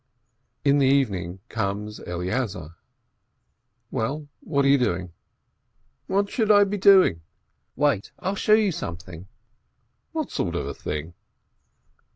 In the evening comes Eleazar. "Well, what are you doing?" "What should I be doing? Wait, I'll show you some thing." "What sort of thing?"